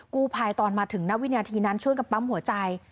กูภายตอนมาถึงหน้าวิญญาณทีนั้นช่วยกับปั้มหัวใจ